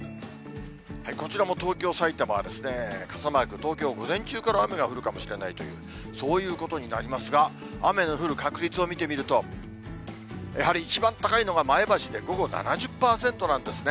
こちらも東京、さいたまは傘マーク、東京、午前中から雨が降るかもしれないという、そういうことになりますが、雨の降る確率を見てみると、やはり一番高いのが前橋で午後７０％なんですね。